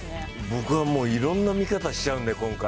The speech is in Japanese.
僕はもういろんな見方しちゃうんで、今回。